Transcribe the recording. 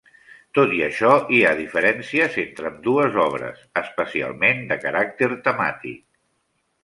Tot i això, hi ha diferències entre ambdues obres, especialment, de caràcter temàtic.